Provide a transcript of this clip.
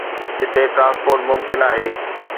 جتي ٽرانسپورٽ ممڪن آهي.